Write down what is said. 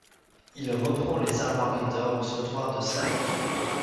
Il reprend les armoiries d'or au sautoir de sable.